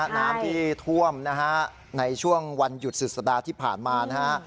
น้ำที่ท่วมนะฮะในช่วงวันหยุดสุดสัปดาห์ที่ผ่านมานะฮะ